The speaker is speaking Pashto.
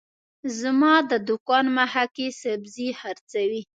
زما د دوکان مخه کي سبزي حرڅوي